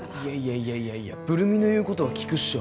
いやいやいやブル美の言うことは聞くっしょ！